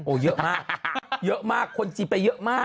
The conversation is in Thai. เยอะมากเยอะมากคนจีนไปเยอะมาก